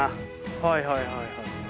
はいはいはいはい。